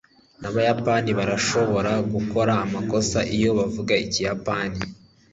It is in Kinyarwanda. n'abayapani barashobora gukora amakosa iyo bavuga ikiyapani